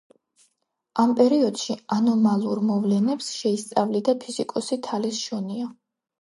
ამ პერიოდში ანომალურ მოვლენებს შეისწავლიდა ფიზიკოსი თალეს შონია.